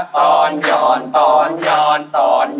ตอนย้อนตอนย้อนตอนย้อน